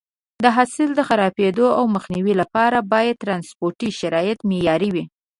د حاصل د خرابېدو مخنیوي لپاره باید د ټرانسپورټ شرایط معیاري وي.